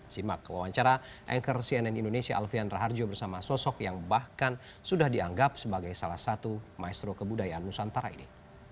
simak kewawancara anchor cnn indonesia alfian raharjo bersama sosok yang bahkan sudah dianggap sebagai salah satu maestro kebudayaan nusantara ini